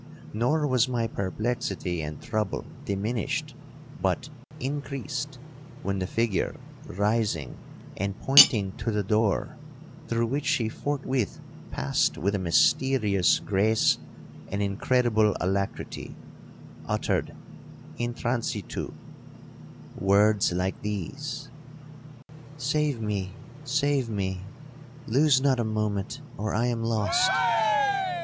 Nor was my perplexity and trouble diminished but increased, when the figure, rising and pointing to the door, through which she forthwith passed with a mysterious grace and incredible alacrity, uttered, in transitu, words like these:—'Save me!—save me!—lose not a moment, or I am lost!'